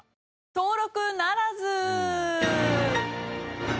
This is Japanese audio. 登録ならず！